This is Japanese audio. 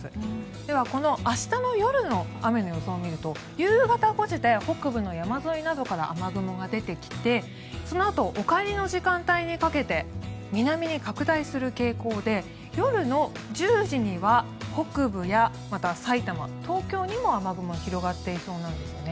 では、この明日の夜の雨の予想を見ると夕方５時で北部の山沿いなどから雨雲が出てきてそのあとお帰りの時間帯にかけて南に拡大する傾向で夜の１０時には北部やまた埼玉、東京にも雨雲が広がっていそうなんですよね。